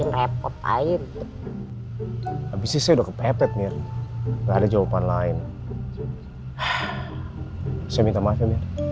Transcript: repot air abis itu kepepet mir ada jawaban lain saya minta maaf ya